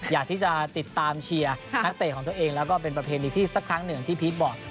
อยากที่จะติดตามเชียร์นักเตะของตัวเองแล้วก็เป็นประเพณีที่สักครั้งหนึ่งที่พีชบอก